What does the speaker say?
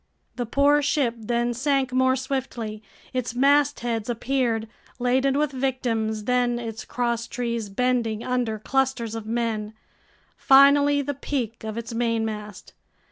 The poor ship then sank more swiftly. Its mastheads appeared, laden with victims, then its crosstrees bending under clusters of men, finally the peak of its mainmast.